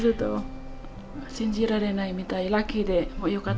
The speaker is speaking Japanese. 信じられないみたい。